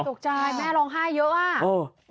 ตกใจแม่ร้องไห้เยอะอ่ะ